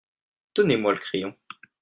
Donnez-moi le crayon.